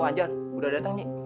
tuh anjar udah datangnya